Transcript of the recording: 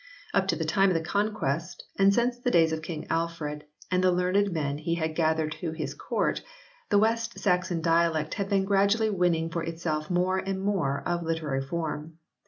Up to the time of the Conquest, and since the days of King Alfred and the learned men he had gathered to his Court, the West Saxon dialect had been gradually winning for itself more and more of literary form.